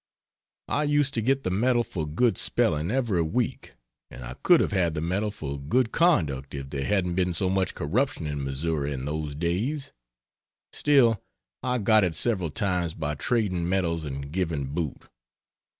I used to get the medal for good spelling, every week, and I could have had the medal for good conduct if there hadn't been so much corruption in Missouri in those days; still, I got it several times by trading medals and giving boot.